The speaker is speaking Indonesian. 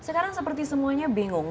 sekarang seperti semuanya bingung